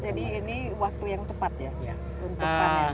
jadi ini waktu yang tepat ya untuk panen